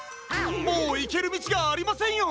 もういけるみちがありませんよ！